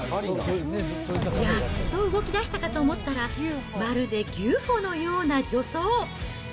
やっと動きだしたかと思ったら、まるで牛歩のような助走。